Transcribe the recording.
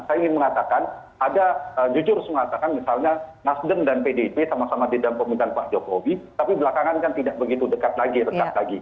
saya ingin mengatakan ada jujur mengatakan misalnya nasdem dan pdip sama sama di dalam pemerintahan pak jokowi tapi belakangan kan tidak begitu dekat lagi dekat lagi